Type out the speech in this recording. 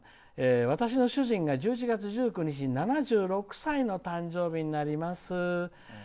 「私の主人が１１月１９日に７６歳の誕生日になります。